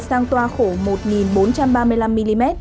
sang toa khổ một bốn trăm ba mươi năm mm